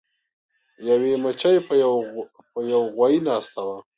یوې مچۍ په یو غوایي ناسته وه.